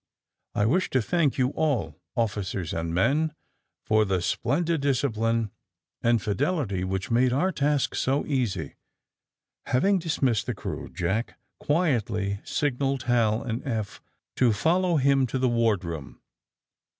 I wisli to thank you all, officers and men, for the splendid discipline and fidelity wliich made our task so easy." Having dismissed tke crew, Jack quietly sig naled Hal and Eph to follow him to the ward room.